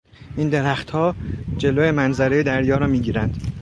این درختها جلو منظرهی دریا را میگیرند.